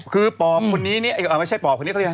คือปอบคนนี้ไม่ใช่ปอบคนนี้